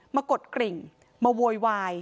กดกริ่งมาโวยวาย